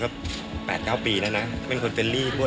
แปปแปลกเก้าปีแล้วนะเป็นคนเฟนลี่ด้วย